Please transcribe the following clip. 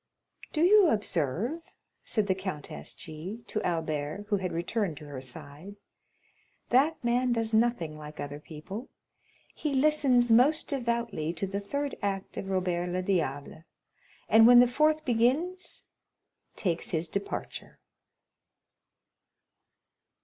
"Do you observe," said the Countess G—— to Albert, who had returned to her side, "that man does nothing like other people; he listens most devoutly to the third act of Robert le Diable, and when the fourth begins, takes his departure."